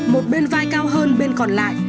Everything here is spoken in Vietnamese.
một bên vai cao hơn bên còn lại